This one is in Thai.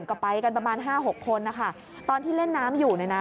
กับไปกันประมาณ๕๖คนตอนที่เล่นน้ำอยู่